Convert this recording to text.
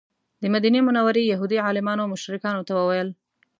د مدینې منورې یهودي عالمانو مشرکانو ته وویل.